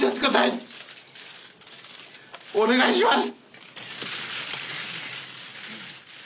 お願いします！